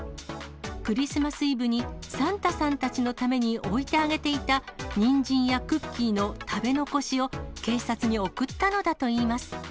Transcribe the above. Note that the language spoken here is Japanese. クリスマスイブにサンタさんたちのために置いてあげていた、ニンジンやクッキーの食べ残しを警察に送ったのだといいます。